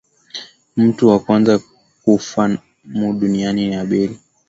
Mutu wa kwanza kufa mu dunia ni Abeli